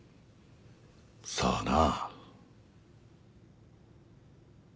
さあな。